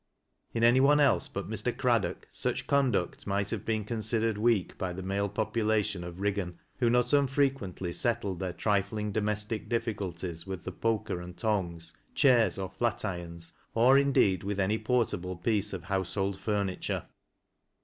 In any one else but Mr. Craddock, such conduct might have been considered weak by the male population of Riggan, who not unfrequently settled their trifling domestic diffi culties with the poker and tongs, chairs, or flat irons, or indeed with any portable piece of household furniture.